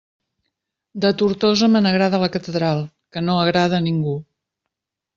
De Tortosa me n'agrada la catedral, que no agrada a ningú!